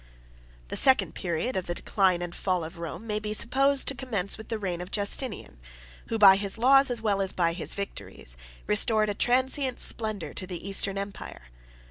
II. The second period of the Decline and Fall of Rome may be supposed to commence with the reign of Justinian, who, by his laws, as well as by his victories, restored a transient splendor to the Eastern Empire.